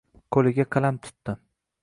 Qoʻliga qalam tutdi